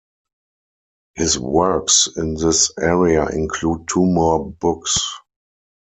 His works in this area include two more books.